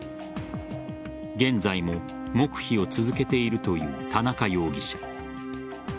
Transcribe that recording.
現在も黙秘を続けているという田中容疑者。